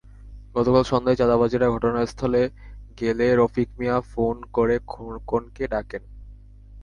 গতকাল সন্ধ্যায় চাঁদাবাজেরা ঘটনাস্থলে গেলে রফিক মিয়া ফোন করে খোকনকে ডাকেন।